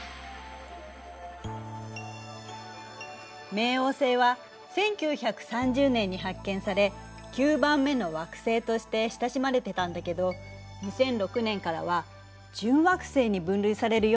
冥王星は１９３０年に発見され９番目の惑星として親しまれてたんだけど２００６年からは準惑星に分類されるようになったの。